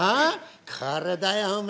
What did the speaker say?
「これだよお前！